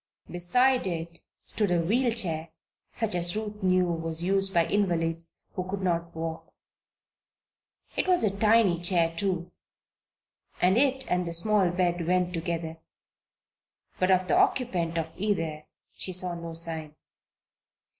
Beside it stood a wheel chair such as Ruth knew was used by invalids who could not walk. It was a tiny chair, too, and it and the small bed went together. But of the occupant of either she saw not a sign.